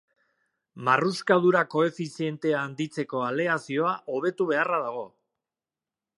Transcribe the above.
Marruskadura koefizientea handitzeko aleazioa hobetu beharra dago.